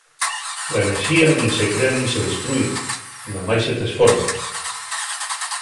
La enerxía nin se crea nin se destrúi, namái se tresforma.